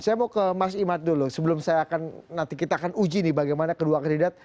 saya mau ke mas imad dulu sebelum saya akan nanti kita akan uji nih bagaimana kedua kandidat